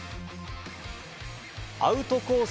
アウトコース